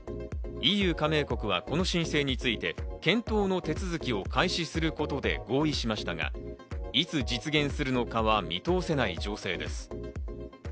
ＥＵ加盟国はこの申請について検討の手続きを開始することで合意しましたが、いつ実現するのかは見通せない情勢です。